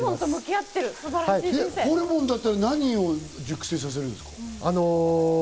ホルモンだったら何を熟成させるんですか？